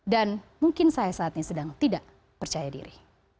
dan mungkin saya saat ini sedang tidak percaya diri